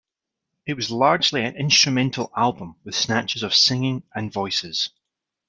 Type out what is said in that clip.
It was largely an instrumental album with snatches of singing and voices.